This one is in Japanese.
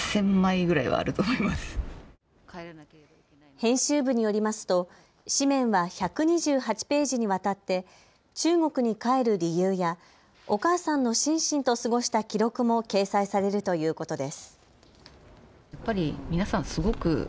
編集部によりますと誌面は１２８ページにわたって中国に帰る理由やお母さんのシンシンと過ごした記録も掲載されるということです。